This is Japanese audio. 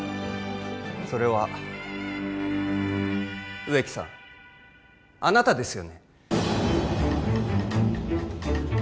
それは植木さんあなたですよね？